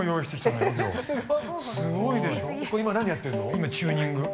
今チューニング。